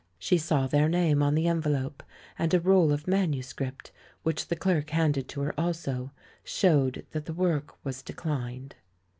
She saw their name on the envelope ; and a roll of manuscript, which the clerk handed to her also, showed that the work was declined.